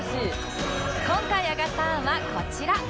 今回挙がった案はこちら